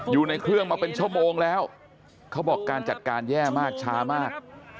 อยู่ในเครื่องมาเป็นชั่วโมงแล้วเขาบอกการจัดการแย่มากช้ามาก